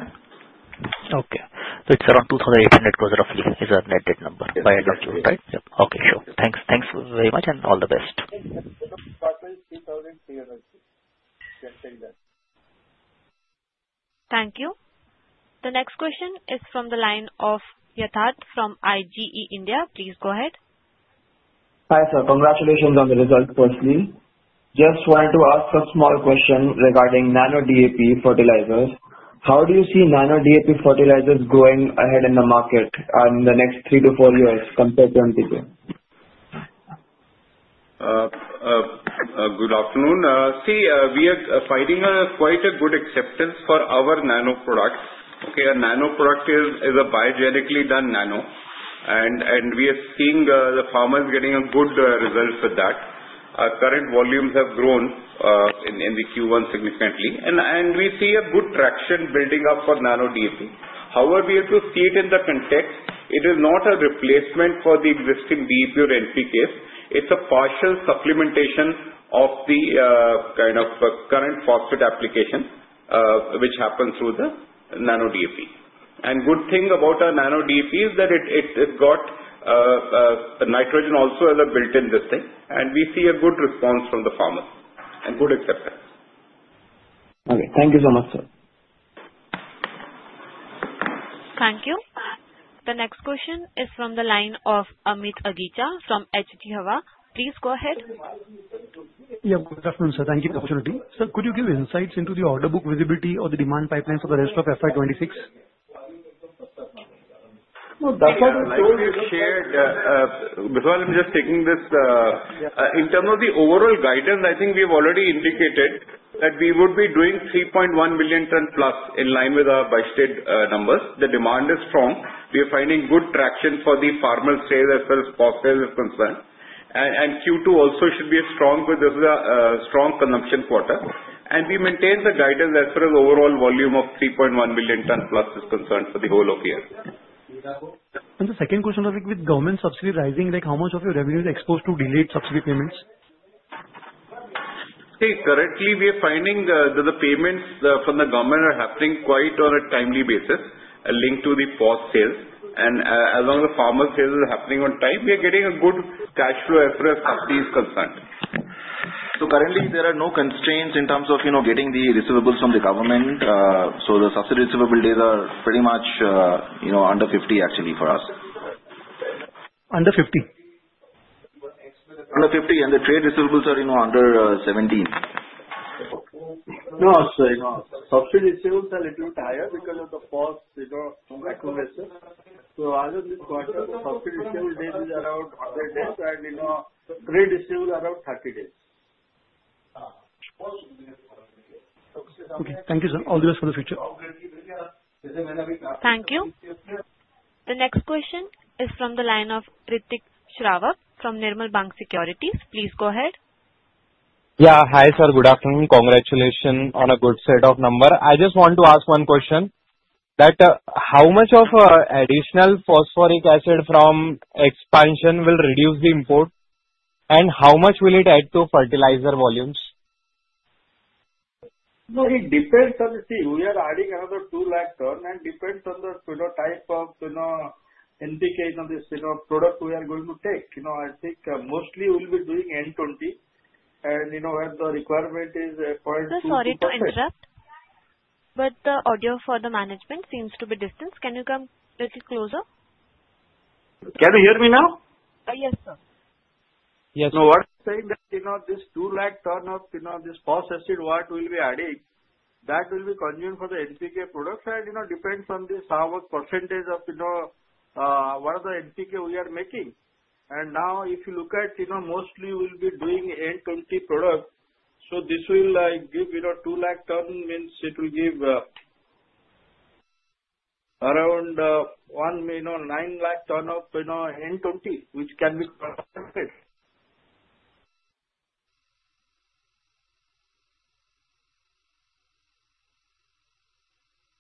S18: It's around 2,800 crores roughly is the net debt number by end of June, right?
S5: Yes.
S18: Okay. Sure. Thanks very much and all the best.
S3: Yes. It's approximately INR 3,300 crores. You can take that.
S1: Thank you. The next question is from the line of Yatharth from IGE india. Please go ahead.
S19: Hi, sir. Congratulations on the result, firstly. Just wanted to ask a small question regarding Nano DAP fertilizers. How do you see Nano DAP fertilizers going ahead in the market in the next three to four years compared to NPK?
S5: Good afternoon. See, we are finding quite a good acceptance for our nano product. Okay? Our nano product is a biogenically done nano. And we are seeing the farmers getting a good result with that. Current volumes have grown in the Q1 significantly. We see a good traction building up for nano DAP. However, we have to see it in the context. It is not a replacement for the existing DAP or NPKs. It's a partial supplementation of the kind of current phosphate application, which happens through the nano DAP. And good thing about our nano DAP is that it got nitrogen also as a built-in this thing. And we see a good response from the farmers and good acceptance.
S19: Okay. Thank you so much, sir.
S1: Thank you. The next question is from the line of Amit Agicha from HG Hawa. Please go ahead.
S20: Yeah. Good afternoon, sir. Thank you for the opportunity. Sir, could you give insights into the order book visibility or the demand pipeline for the rest of FY26?
S3: No, that's what we showed—
S5: Before I'm just taking this, in terms of the overall guidance, I think we have already indicated that we would be doing 3.1 million tons plus in line with our by-state numbers. The demand is strong. We are finding good traction for the farmers' sales as well as phosphates are concerned. And Q2 also should be strong because this is a strong consumption quarter. And we maintain the guidance as far as overall volume of 3.1 million tons plus is concerned for the whole of the year.
S20: The second question was, with government subsidy rising, how much of your revenue is exposed to delayed subsidy payments?
S5: See, currently, we are finding that the payments from the government are happening quite on a timely basis linked to the phosphates. And as long as the farmer's sales are happening on time, we are getting a good cash flow as far as subsidies concerned. So currently, there are no constraints in terms of getting the receivables from the government. So the subsidy receivable days are pretty much under 50, actually, for us.
S20: Under 50?
S5: Under 50, and the trade receivables are under 17.
S7: No, sir. Subsidy receivables are a little bit higher because of the phosphatic accumulation. So as of this quarter, the subsidy receivable days is around 100 days, and trade receivables are around 30 days.
S20: Okay. Thank you, sir. All the best for the future.
S1: Thank you. The next question is from the line of Ritik Shravak from Nirmal Bang Securities. Please go ahead.
S21: Yeah. Hi, sir. Good afternoon. Congratulations on a good set of numbers. I just want to ask one question. How much of additional phosphoric acid from expansion will reduce the import? And how much will it add to fertilizer volumes?
S7: No, it depends on the season. We are adding another 2 lakh ton, and it depends on the type of NPK and this product we are going to take. I think mostly we'll be doing N20. And where the requirement is for.
S1: Sir, sorry to interrupt, but the audio for the management seems to be distanced. Can you come a little closer?
S7: Can you hear me now?
S1: Yes, sir.
S7: No, what I'm saying that this two lakh ton of this phosphatic what we'll be adding, that will be consumed for the NPK product. And it depends on how much percentage of what the NPK we are making. And now, if you look at mostly, we'll be doing N20 product. So this will give two lakh ton, means it will give around nine lakh ton of N20, which can be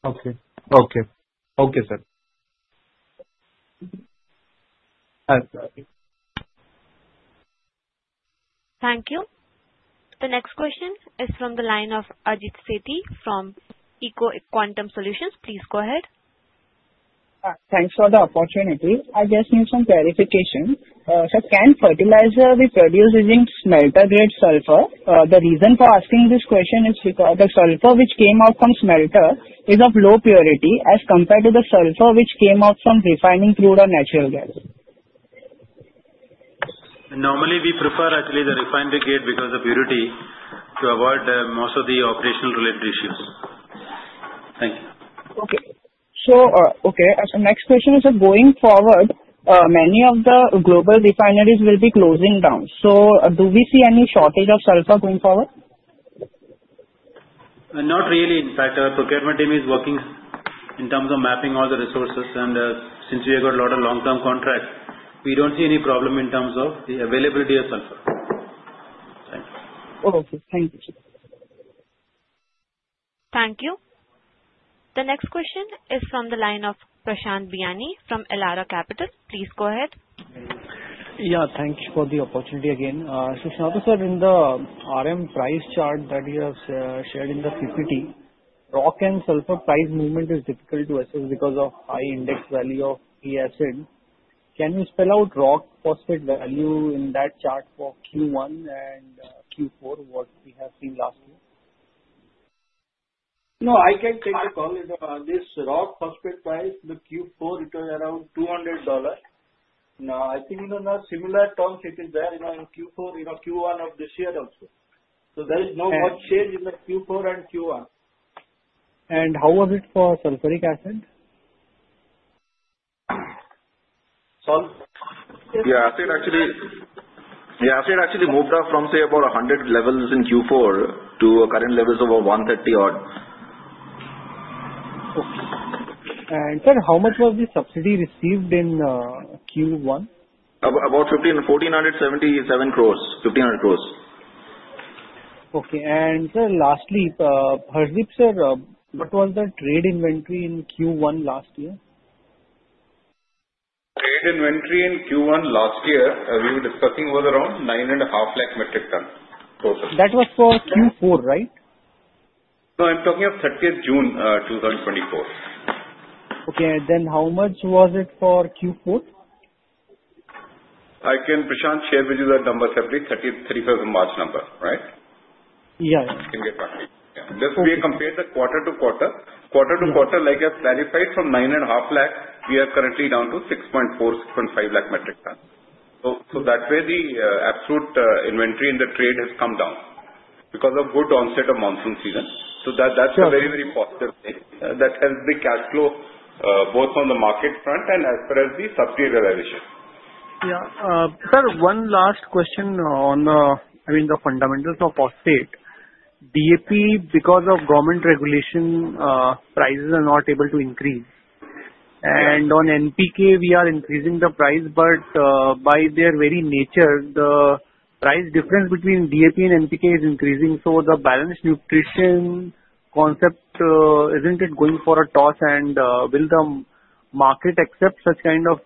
S7: produced.
S21: Okay, sir.
S1: Thank you. The next question is from the line of Ajit Sethi from Eiko Quantum Solutions. Please go ahead.
S22: Thanks for the opportunity. I just need some clarification. Sir, can we produce fertilizer using smelter-grade sulfur? The reason for asking this question is because the sulfur which came out from smelter is of low purity as compared to the sulfur which came out from refining crude or natural gas.
S3: Normally, we prefer actually the refinery grade because of purity to avoid most of the operational-related issues. Thank you.
S22: Okay. So next question is, going forward, many of the global refineries will be closing down. So do we see any shortage of sulfur going forward?
S3: Not really. In fact, our procurement team is working in terms of mapping all the resources, and since we have got a lot of long-term contracts, we don't see any problem in terms of the availability of sulfur. Thank you.
S22: Okay. Thank you, sir.
S1: Thank you. The next question is from the line of Prashant Biyani from Elara Capital. Please go ahead.
S4: Yeah. Thank you for the opportunity again. So, sir, in the RM price chart that you have shared in the PPT, rock and sulfur price movement is difficult to assess because of high index value of P-acid. Can you spell out rock phosphate value in that chart for Q1 and Q4, what we have seen last year?
S7: No, I can take the call. This rock phosphate price in Q4, it was around $200. Now, I think similar tons it is there in Q1 of this year also. So there is not much change in Q4 and Q1.
S4: How was it for sulfuric acid?
S3: Yeah. Acid actually moved up from, say, about $100 levels in Q4 to current levels of about $130 odd.
S4: Okay. And, sir, how much was the subsidy received in Q1?
S3: About 1,477 crores. 1,500 crores.
S4: Okay. And, sir, lastly, Harshdeep sir, what was the trade inventory in Q1 last year?
S5: Trade inventory in Q1 last year we were discussing was around 9.5 lakh metric tons total.
S4: That was for Q4, right?
S5: No, I'm talking of 30th June 2024.
S4: Okay. Then how much was it for Q4?
S5: I can, Prashant, share with you the numbers, the 31st of March number, right?
S4: Yeah.
S5: You can get back to me. Yeah. Just we have compared the quarter to quarter. Quarter to quarter, like I clarified, from 9.5 lakh, we are currently down to 6.4-6.5 lakh metric tons. So that way, the absolute inventory in the trade has come down because of good onset of monsoon season. So that's a very, very positive thing that helps the cash flow both on the market front and as far as the subsidy realization.
S4: Yeah. Sir, one last question on the, I mean, the fundamentals of phosphate. DAP, because of government regulation, prices are not able to increase. And on NPK, we are increasing the price, but by their very nature, the price difference between DAP and NPK is increasing. So the balanced nutrition concept, isn't it going for a toss, and will the market accept such kind of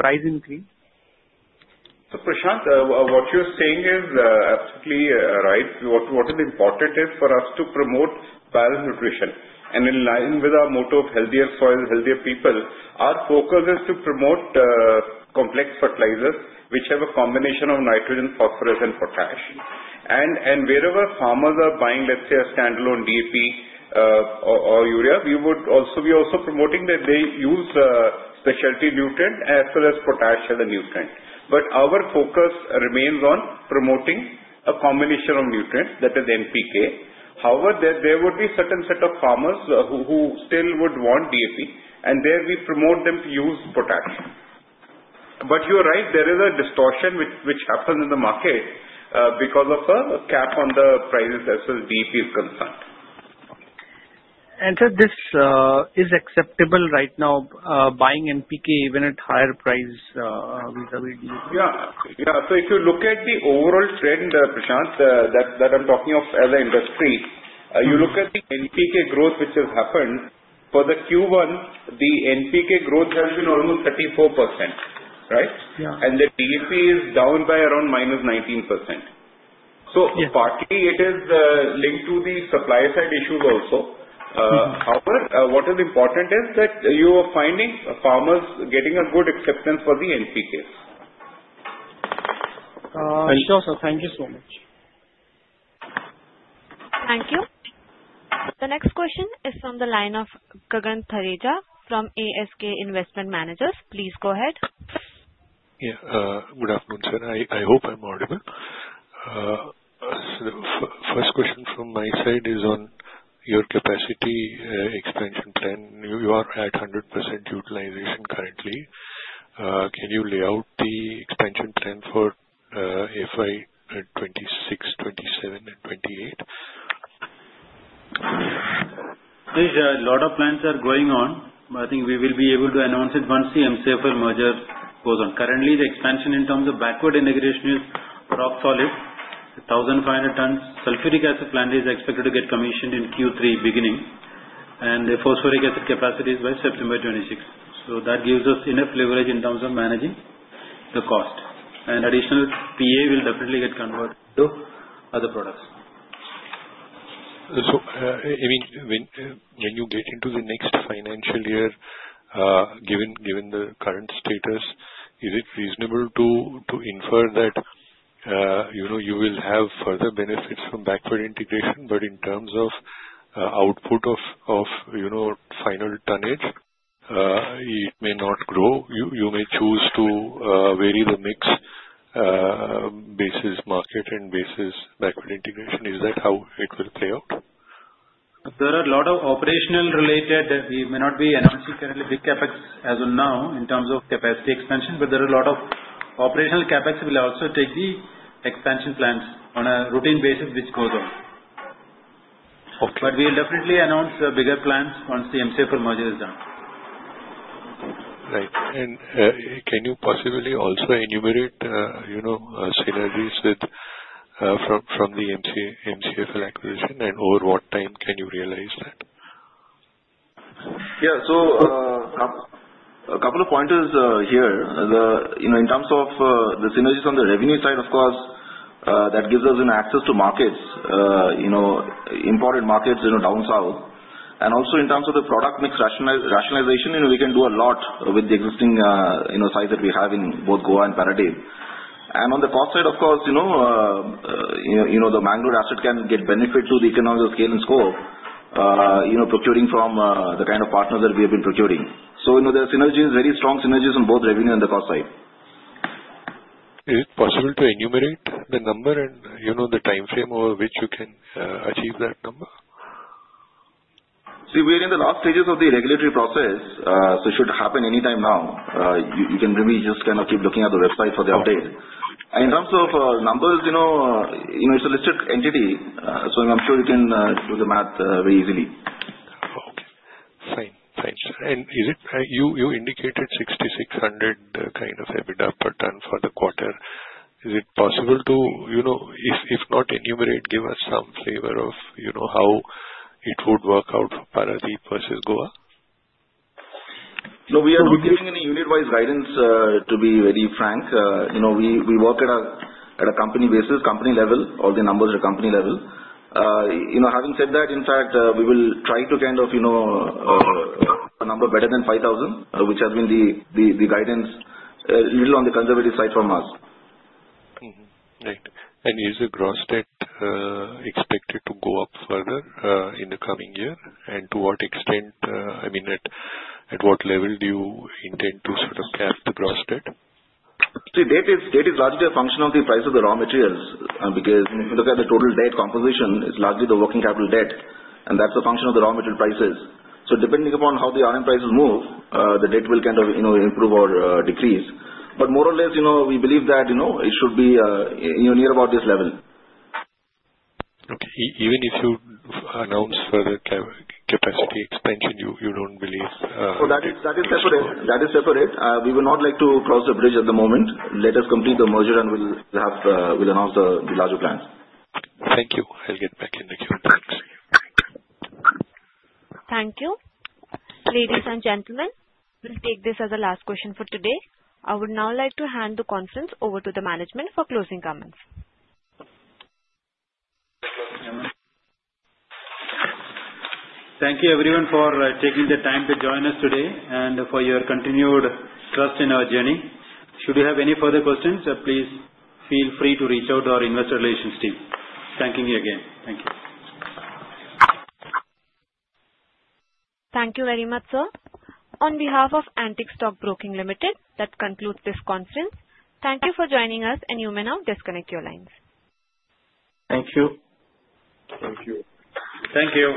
S4: price increase?
S5: So, Prashant, what you're saying is absolutely right. What is important is for us to promote balanced nutrition. And in line with our motto of healthier soils, healthier people, our focus is to promote complex fertilizers, which have a combination of nitrogen, phosphorus, and potassium. And wherever farmers are buying, let's say, a standalone DAP or urea, we would also be promoting that they use specialty nutrient as well as potassium as a nutrient. But our focus remains on promoting a combination of nutrients, that is NPK. However, there would be a certain set of farmers who still would want DAP, and there we promote them to use potassium. But you're right, there is a distortion which happens in the market because of a cap on the prices as far as DAP is concerned.
S4: Sir, this is acceptable right now, buying NPK even at higher prices?
S5: Yeah. Yeah. So if you look at the overall trend, Prashant, that I'm talking of as an industry, you look at the NPK growth which has happened. For the Q1, the NPK growth has been almost 34%, right? And the DAP is down by around -19%. So partly, it is linked to the supply-side issues also. However, what is important is that you are finding farmers getting a good acceptance for the NPKs.
S4: Sure, sir. Thank you so much.
S1: Thank you. The next question is from the line of Gagan Thareja from ASK Investment Managers. Please go ahead.
S23: Yeah. Good afternoon, sir. I hope I'm audible. So the first question from my side is on your capacity expansion plan. You are at 100% utilization currently. Can you lay out the expansion plan for FY26, FY27, and FY28?
S3: There's a lot of plans that are going on. I think we will be able to announce it once the MCFL merger goes on. Currently, the expansion in terms of backward integration is rock solid. 1,500 tons sulfuric acid plant is expected to get commissioned in Q3 beginning, and the phosphoric acid capacity is by September 2026, so that gives us enough leverage in terms of managing the cost, and additional PA will definitely get converted into other products.
S23: So, I mean, when you get into the next financial year, given the current status, is it reasonable to infer that you will have further benefits from backward integration? But in terms of output of final tonnage, it may not grow. You may choose to vary the mix basis market and basis backward integration. Is that how it will play out?
S3: There are a lot of operational-related we may not be announcing currently, big CapEx as of now in terms of capacity expansion, but there are a lot of operational CapEx. We'll also take the expansion plans on a routine basis, which goes on, but we'll definitely announce the bigger plans once the MCFL merger is done.
S23: Right. And can you possibly also enumerate scenarios from the MCFL acquisition, and over what time can you realize that?
S3: Yeah. So a couple of pointers here. In terms of the synergies on the revenue side, of course, that gives us access to markets, imported markets down south. And also in terms of the product mix rationalization, we can do a lot with the existing size that we have in both Goa and Paradip. And on the cost side, of course, the Mangalore asset can get benefit to the economy of scale and scope, procuring from the kind of partners that we have been procuring. So there are very strong synergies on both revenue and the cost side.
S23: Is it possible to enumerate the number and the time frame over which you can achieve that number?
S3: See, we are in the last stages of the regulatory process, so it should happen anytime now. You can maybe just kind of keep looking at the website for the update. In terms of numbers, it's a listed entity, so I'm sure you can do the math very easily.
S23: Okay. Fine. Fine. And you indicated 6,600 kind of EBITDA per ton for the quarter. Is it possible to, if not enumerate, give us some flavor of how it would work out for Paradip versus Goa?
S3: No, we are not giving any unit-wise guidance, to be very frank. We work at a company basis, company level. All the numbers are company level. Having said that, in fact, we will try to kind of a number better than 5,000, which has been the guidance, a little on the conservative side for us.
S23: Right. And is the gross debt expected to go up further in the coming year? And to what extent, I mean, at what level do you intend to sort of cap the gross debt?
S3: See, debt is largely a function of the price of the raw materials because if you look at the total debt composition, it's largely the working capital debt, and that's a function of the raw material prices, so depending upon how the RM prices move, the debt will kind of improve or decrease, but more or less, we believe that it should be near about this level.
S23: Okay. Even if you announce further capacity expansion, you don't believe.
S5: So that is separate. That is separate. We would not like to cross the bridge at the moment. Let us complete the merger, and we'll announce the larger plans.
S23: Thank you. I'll get back in the Q&A.
S1: Thank you. Ladies and gentlemen, we'll take this as the last question for today. I would now like to hand the conference over to the management for closing comments.
S3: Thank you, everyone, for taking the time to join us today and for your continued trust in our journey. Should you have any further questions, please feel free to reach out to our investor relations team. Thank you again.
S1: Thank you very much, sir. On behalf of Antique Stock Broking Limited, that concludes this conference. Thank you for joining us, and you may now disconnect your lines.
S3: Thank you.
S5: Thank you